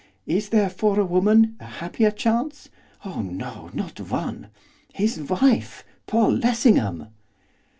Is there for a woman a happier chance? Oh no, not one! His wife! Paul Lessingham!